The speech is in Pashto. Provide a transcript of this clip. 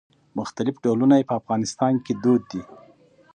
مختلف ډولونه یې په افغانستان کې دود دي.